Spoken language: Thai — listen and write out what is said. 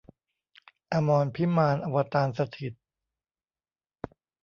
อมรพิมาน อวตารสถิตย์